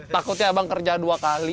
takutnya abang kerja dua kali